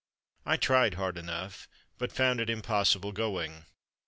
I tried hard enough, but found it impossible going.